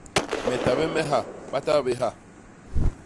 Me ta bé me ha, ba ta bé ha.